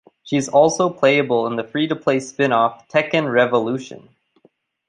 She is also playable in the free-to-play spin-off "Tekken Revolution".